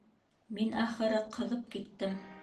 Мин, ахыры, ҡыҙып киттем.